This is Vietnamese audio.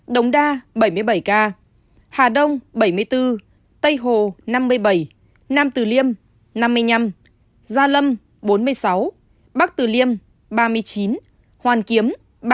đồng đa bảy mươi bảy ca hà đông bảy mươi bốn tây hồ năm mươi bảy nam từ liêm năm mươi năm gia lâm bốn mươi sáu bắc từ liêm ba mươi chín hoàn kiếm ba mươi ba